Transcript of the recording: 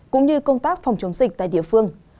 cũng như công tác phòng chống dịch tại địa phương